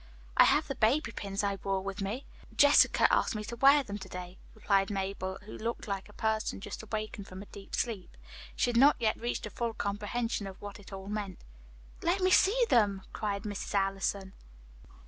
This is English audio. "I have the baby pins I wore with me. Jessica asked me to wear them to day," replied Mabel, who looked like a person just awakened from a deep sleep. She had not yet reached a full comprehension of what it all meant. "Let me see them," cried Mrs. Allison.